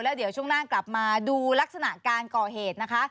เดี๋ยวช่วงหน้ากลับมาดูลักษณะการก่อเหตุนะคะ